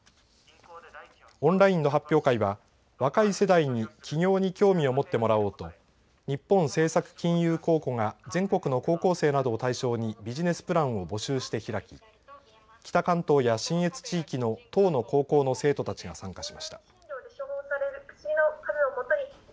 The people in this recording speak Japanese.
オンラインの発表会は若い世代に起業に興味を持ってもらおうと日本政策金融公庫が全国の高校生などを対象にビジネスプランを募集して開き北関東や信越地域の１０の高校の生徒たちが参加しました。